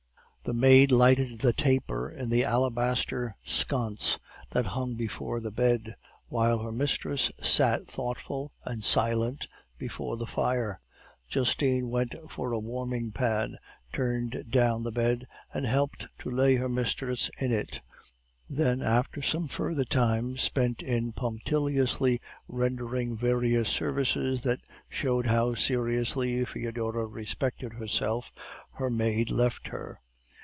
"The maid lighted the taper in the alabaster sconce that hung before the bed, while her mistress sat thoughtful and silent before the fire. Justine went for a warming pan, turned down the bed, and helped to lay her mistress in it; then, after some further time spent in punctiliously rendering various services that showed how seriously Foedora respected herself, her maid left her.